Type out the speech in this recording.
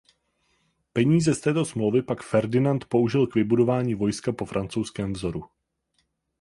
Peníze z této smlouvy pak Ferdinand použil k vybudování vojska po francouzském vzoru.